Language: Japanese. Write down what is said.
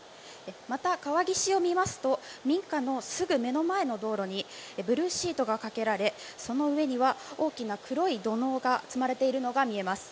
また川岸を見ますと民家のすぐ目の前の道路にブルーシートがかけられその上には大きな黒い土のうが積まれているのが見えます。